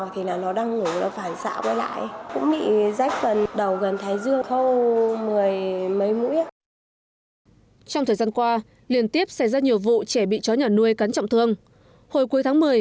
trong thời gian qua liên tiếp xảy ra nhiều vụ trẻ bị chó nhà nuôi cắn trọng thương hồi cuối tháng một mươi